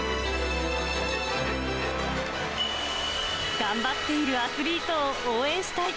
頑張っているアスリートを応援したい。